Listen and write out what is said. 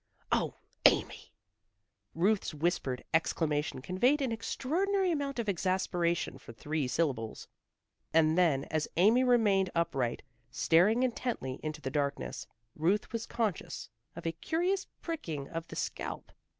"O, Amy!" Ruth's whispered exclamation conveyed an extraordinary amount of exasperation for three syllables. And then as Amy remained up right, staring intently into the darkness, Ruth was conscious of a curious pricking of the scalp.